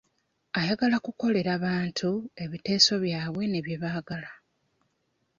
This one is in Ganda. Ayagala kukolera bantu, ebiteeso byabwe ne bye baagala.